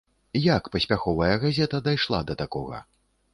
Як паспяховая газета дайшла да такога?